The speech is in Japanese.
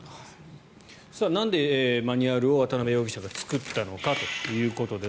なんでマニュアルを渡邊容疑者が作ったのかということです。